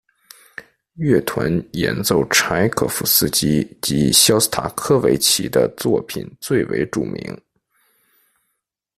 乐团演奏柴可夫斯基及肖斯塔科维奇的作品最为著名。